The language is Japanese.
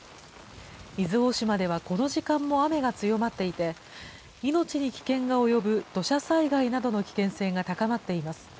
伊豆大島ではこの時間も雨が強まっていて、命に危険が及ぶ土砂災害などの危険性が高まっています。